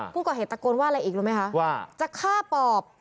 ผู้เกาะเหตุตะโกนว่าอะไรอีกรู้ไหมคะว่าจะฆ่าปอบ